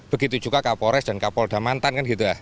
begitu juga kapolres dan kapolda mantan